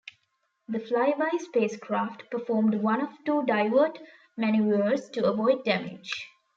The flyby spacecraft performed one of two divert maneuvers to avoid damage.